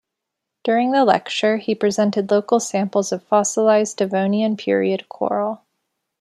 During the lecture he presented local samples of fossilized Devonian period coral.